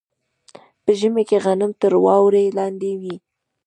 په ژمي کې غنم تر واورې لاندې وي.